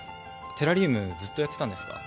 テラリウムずっとやってたんですか？